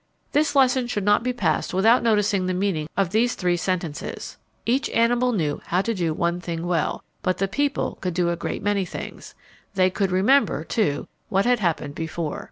This lesson should not be passed without noticing the meaning of these three sentences: "_Each animal knew how to do one thing well. But the people could do a great many things. They could remember, too, what had happened before.